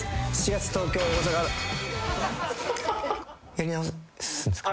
やり直すんですか？